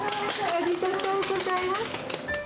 ありがとうございます。